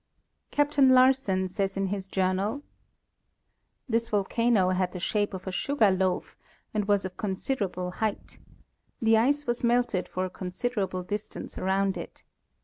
Cap tain Larsen says in his journal: This volcano had the shape of a sugar loaf and was of considerable height. The ice was melted for a considerable distance around it.